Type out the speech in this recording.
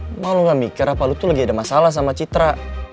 gak mau lu mikir apa lu tuh lagi ada masalah sama citra